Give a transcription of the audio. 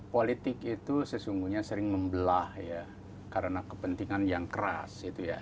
politik itu sesungguhnya sering membelah ya karena kepentingan yang keras